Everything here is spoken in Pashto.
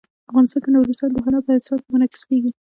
افغانستان کې نورستان د هنر په اثار کې منعکس کېږي.